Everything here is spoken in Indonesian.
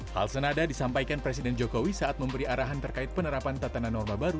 hal senada disampaikan presiden jokowi saat memberi arahan terkait penerapan tatanan norma baru